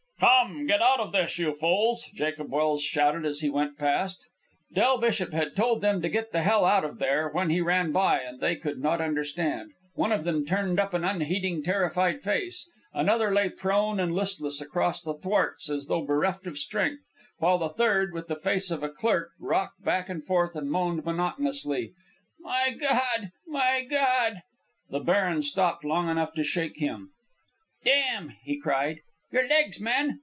"Come! Get out of this, you fools!" Jacob Welse shouted as he went past. Del Bishop had told them to "get the hell out of there" when he ran by, and they could not understand. One of them turned up an unheeding, terrified face. Another lay prone and listless across the thwarts as though bereft of strength; while the third, with the face of a clerk, rocked back and forth and moaned monotonously, "My God! My God!" The baron stopped long enough to shake him. "Damn!" he cried. "Your legs, man!